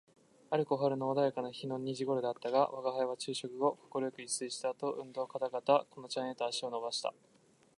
ある小春の穏やかな日の二時頃であったが、吾輩は昼飯後快く一睡した後、運動かたがたこの茶園へと歩を運ばした